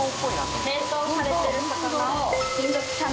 冷凍されてる魚を。